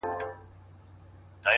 • څوک چي مړ سي هغه ځي د خدای دربار ته,